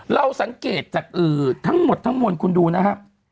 เราสังเกตจากทั้งหมดทั้งมวลคุณดูนะครับ